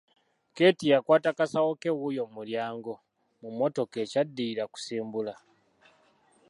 Keeti yakwata kasawo ke wuuyo mu mulyango, mu mmotoka ekyaddirira kusimbula.